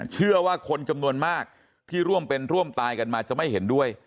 เชื่อว่าคนจำนวนมากที่ร่วมเป็นร่วมตายกันมาจะไม่เห็นด้วย